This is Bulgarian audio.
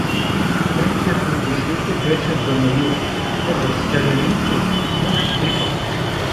Третият от дошлите беше Данаил — едър селянин, отпуснат, дрипав.